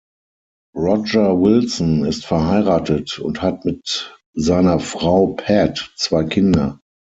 Roger Wilson ist verheiratet und hat mit seiner Frau Pat zwei Kinder.